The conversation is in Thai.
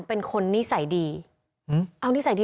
เป็นคนนิสัยดี